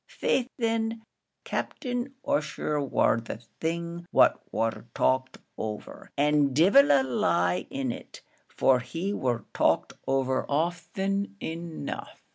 Faix thin, Captain Ussher war the thing what war talked over; and divil a lie in it, for he war talked over ofthen enough."